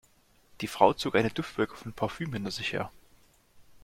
Die Frau zog eine Duftwolke von Parfüm hinter sich her.